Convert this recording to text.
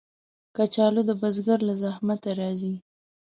کچالو د بزګر له زحمته راځي